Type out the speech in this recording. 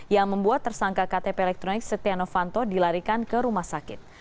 yang membuat tersangka ktp elektronik setia novanto dilarikan ke rumah sakit